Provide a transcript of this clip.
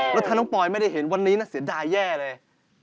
แล้วถ้าน้องปอยไม่ได้เห็นวันนี้นะเสียดายแย่เลย